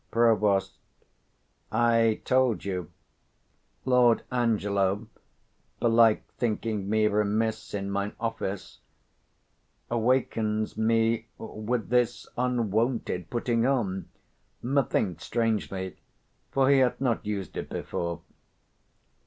Prov. I told you. Lord Angelo, belike thinking me remiss 110 in mine office, awakens me with this unwonted putting on; methinks strangely, for he hath not used it before.